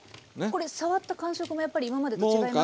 これ触った感触もやっぱり今までと違いますか？